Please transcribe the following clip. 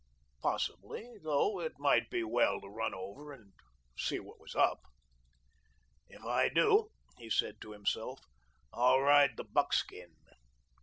Possibly, though, it might be well to run over and see what was up. "If I do," he said to himself, "I'll ride the buckskin."